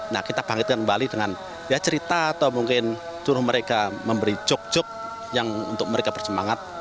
nah kita bangkitkan kembali dengan ya cerita atau mungkin suruh mereka memberi jok jok yang untuk mereka bersemangat